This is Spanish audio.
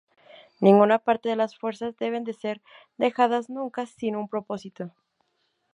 Ninguna parte de las fuerzas deben ser dejadas nunca, sin un propósito.